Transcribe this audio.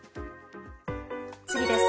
次です。